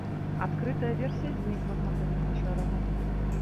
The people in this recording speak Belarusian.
Адкрытая версія знікла з мадэльнага шэрагу.